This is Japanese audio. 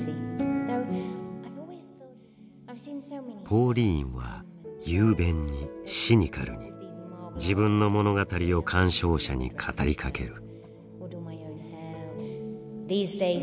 「ポーリーン」は雄弁にシニカルに自分の物語を鑑賞者に語りかける。